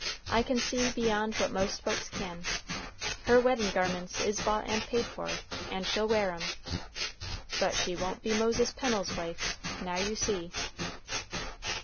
I can see beyond what most folks can, her weddin' garments is bought and paid for, and she'll wear 'em, but she won't be Moses Pennel's wife, now you see."